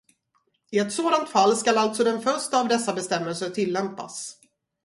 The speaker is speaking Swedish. I ett sådant fall ska alltså den första av dessa bestämmelser tillämpas.